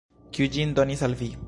Kiu ĝin donis al vi?